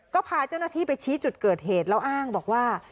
ก็พาเจ้าหน้าที่ไปชี้จุดเกิดเหตุแล้วอ้างบอกว่า